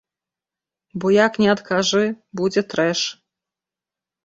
Бо як ні адкажы, будзе трэш.